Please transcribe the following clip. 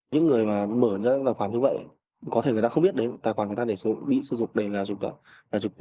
những người mở ra tài khoản như vậy có thể người ta không biết tài khoản người ta bị sử dụng là dụng tật